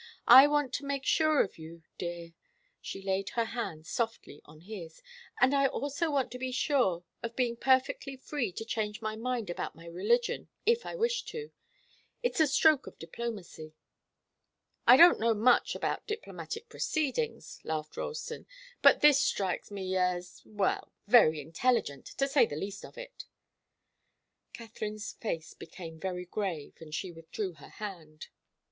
I want to make sure of you dear," she laid her hand softly on his, "and I also want to be sure of being perfectly free to change my mind about my religion, if I wish to. It's a stroke of diplomacy." "I don't know much about diplomatic proceedings," laughed Ralston, "but this strikes me as well very intelligent, to say the least of it." Katharine's face became very grave, and she withdrew her hand.